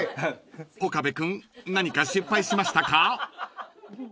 ［岡部君何か失敗しましたか？］